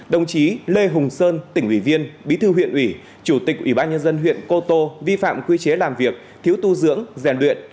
đồng chí lê hùng sơn tỉnh ủy viên bí thư huyện ủy chủ tịch ubnd huyện cô tô vi phạm quy chế làm việc thiếu tu dưỡng gian luyện